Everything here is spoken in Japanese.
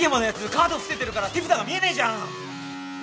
カード伏せてるから手札が見えねえじゃん。